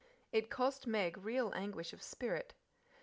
It cost Meg real anguish of spirit.